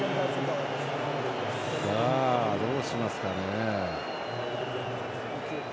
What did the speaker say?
さあ、どうしますかね。